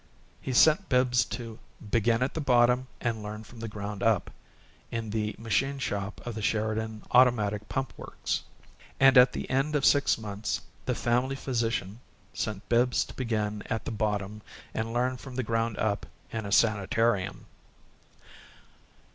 He sent Bibbs to "begin at the bottom and learn from the ground up" in the machine shop of the Sheridan Automatic Pump Works, and at the end of six months the family physician sent Bibbs to begin at the bottom and learn from the ground up in a sanitarium.